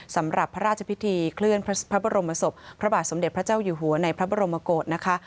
สำหรับพระราชพิธีเคลื่อนพระบรมศพพระบาทสมเด็จพระเจ้าอยู่หัวในพระบรมโกศนะคะ